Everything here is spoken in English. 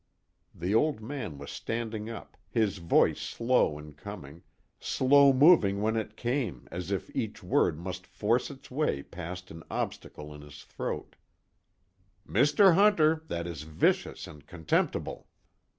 The Old Man was standing up, his voice slow in coming, slow moving when it came as if each word must force its way past an obstacle in his throat: "Mr. Hunter, that is vicious and contemptible."